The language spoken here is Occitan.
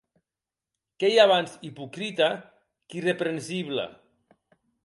Qu’ei abans ipocrita qu’irreprensible.